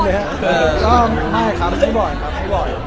เพื่อนมาดินข้าวดูหนัง